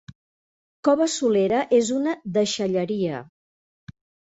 Cova Solera és una deixalleria.